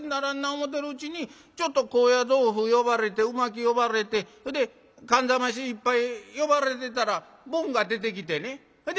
思てるうちにちょっと高野豆腐呼ばれて鰻巻き呼ばれてほで燗冷まし一杯呼ばれてたらボンが出てきてねほで